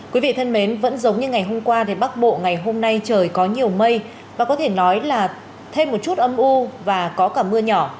quý vị thân mến vẫn giống như ngày hôm qua thì bắc bộ ngày hôm nay trời có nhiều mây và có thể nói là thêm một chút âm u và có cả mưa nhỏ